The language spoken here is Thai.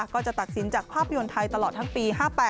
ก็จะตัดสินจากภาพยนตร์ไทยตลอดทั้งปี๕๘